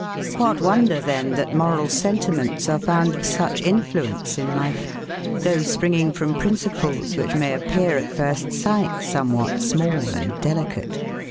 What wonder then, that moral sentiments are found of such influence in life; though springing from principles, which may appear, at first sight, somewhat small and delicate?